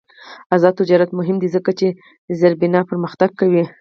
آزاد تجارت مهم دی ځکه چې زیربنا پرمختګ کوي.